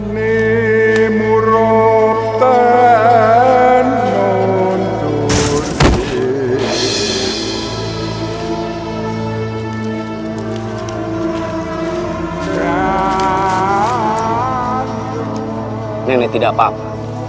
nenek tidak apa apa